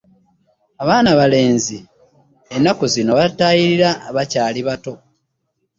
Abaana abalenzi ennaku zino babatayirira bakyali bato.